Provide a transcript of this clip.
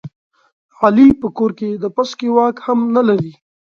علي په کور کې د پسکې واک هم نه لري.